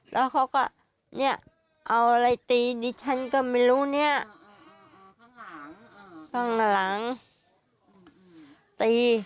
แล้วเขาก็เนี่ยเอาอะไรตีดิฉันก็ไม่รู้เนี่ยข้างหลังข้างหลังตี